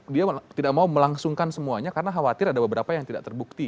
dia tidak mau melangsungkan semuanya karena khawatir ada beberapa yang tidak terbukti